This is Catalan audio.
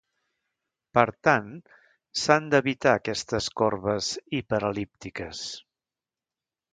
Per tant, s'han d'evitar aquestes corbes hiperel·líptiques.